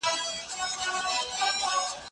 زه به سبا مېوې وچوم وم؟